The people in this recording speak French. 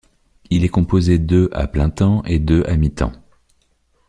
Il est composé de à plein temps et de à mi-temps.